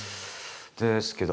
ですけど